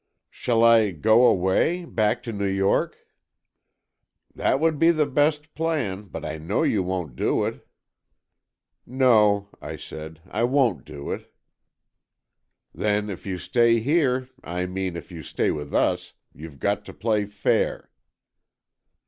"Shall I go away, back to New York?" "That would be the best plan, but I know you won't do it." "No," I said, "I won't do it." "Then, if you stay here, I mean, if you stay with us, you've got to play fair."